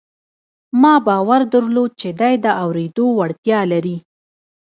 ما باور درلود چې دی د اورېدو وړتیا لري